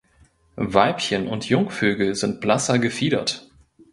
Weibchen und Jungvögel sind blasser gefiedert.